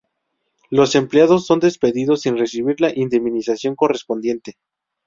Los empleados son despedidos sin recibir la indemnización correspondiente.